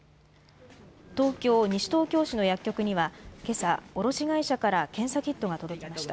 東京・西東京市の薬局には、けさ、卸会社から検査キットが届きました。